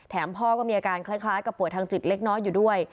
พ่อก็มีอาการคล้ายกับป่วยทางจิตเล็กน้อยอยู่ด้วย